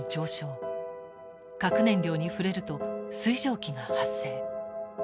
核燃料に触れると水蒸気が発生。